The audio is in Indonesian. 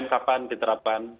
lima m kapan diterapkan